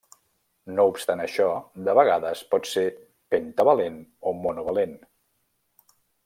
No obstant això, de vegades pot ser pentavalent o monovalent.